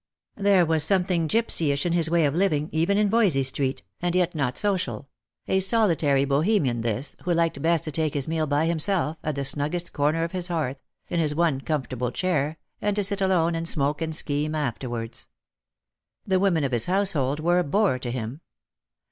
There was something gipsyish in his way of living even in Yoysey street, and yet not social — a solitary Bohemian this, who liked best to take his meal by himself, at the snuggest corner of his hearth, in his one comfortable chair, and to sit alone and smoke and scheme afterwards. The women of his household were a bore to him.